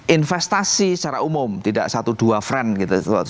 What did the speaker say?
investasi secara umum tidak satu dua friend gitu